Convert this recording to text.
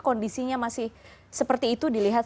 kondisinya masih seperti itu dilihat